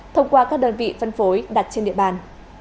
thông qua các đơn vị phân phối đặt trên địa bàn